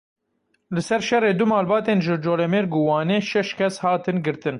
Li ser şerê du malbatên ji Colemêrg û Wanê şeş kes hatin girtin.